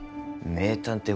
名探偵